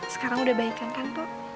sekarang udah banyak kan pak